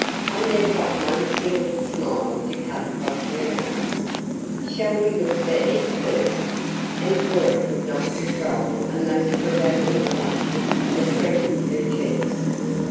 I never got one single smile to cut across her map." "Shall we look for Ed first?" and Cora could not control a most provoking flush that threatened her cheeks.